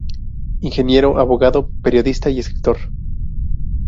Ingeniero, abogado, periodista y escritor.